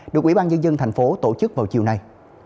được ủy ban nhân dân tp hcm tổ chức vào chiều nay